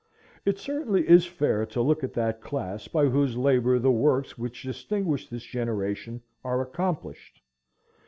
It certainly is fair to look at that class by whose labor the works which distinguish this generation are accomplished.